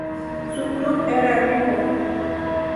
Su club era Reebok.